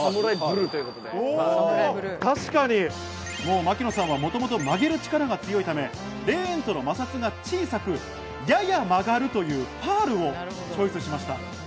槙野さんはもともと曲げる力が強いため、レーンとの摩擦が小さく、やや曲がるというパールをチョイスしました。